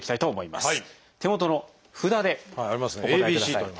手元の札でお答えください。